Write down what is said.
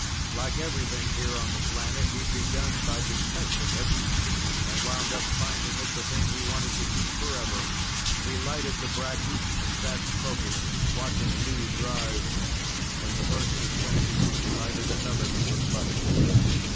Like everything here on the planet, he'd begun by detesting it and wound up finding it the thing he wanted to keep forever. He lighted the bracky and sat smoking, watching Lou drive. When the first was finished, he lighted another from the butt.